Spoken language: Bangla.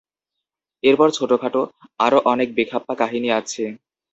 এরপর ছোটখাটো আরো অনেক বেখাপ্পা কাহিনী আছে।